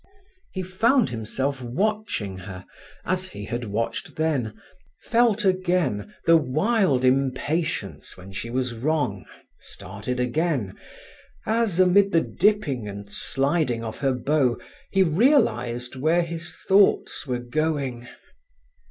He found himself watching her as he had watched then, felt again the wild impatience when she was wrong, started again as, amid the dipping and sliding of her bow, he realized where his thoughts were going.